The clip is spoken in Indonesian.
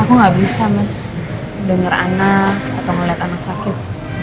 aku nggak bisa mas dengar anak atau ngeliat anak sakit